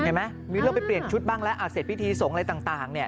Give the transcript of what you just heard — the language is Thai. เห็นไหมมีเวลาไปเปลี่ยนชุดบ้างแล้วอ่ะเสร็จพิธีสงค์อะไรต่างเนี่ย